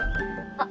あっ！